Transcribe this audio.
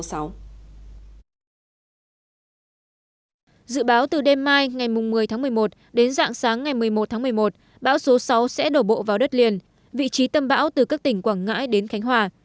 dự báo từ đêm mai ngày một mươi tháng một mươi một đến dạng sáng ngày một mươi một tháng một mươi một bão số sáu sẽ đổ bộ vào đất liền vị trí tâm bão từ các tỉnh quảng ngãi đến khánh hòa